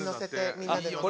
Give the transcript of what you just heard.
みんなでのせて」